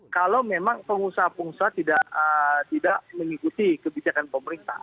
kalau memang pengusaha pengusaha tidak mengikuti kebijakan pemerintah